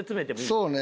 そうね。